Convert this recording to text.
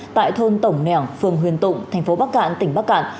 tại thôn tổng nẻo phường huyền tụng thành phố bắc cạn tỉnh bắc cạn